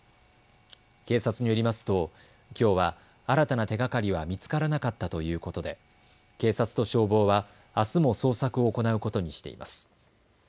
警察によりますときょうは新たな手がかりは見つからなかったということで警察と消防はあすも捜索を行うことにしています。